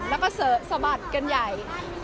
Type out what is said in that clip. แล้วก็สะบัดกันใหญ่